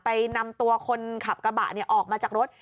นำตัวคนขับกระบะออกมาจากรถ